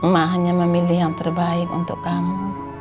mah hanya memilih yang terbaik untuk kamu